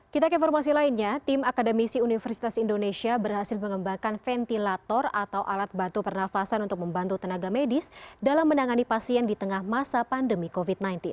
kita ke informasi lainnya tim akademisi universitas indonesia berhasil mengembangkan ventilator atau alat bantu pernafasan untuk membantu tenaga medis dalam menangani pasien di tengah masa pandemi covid sembilan belas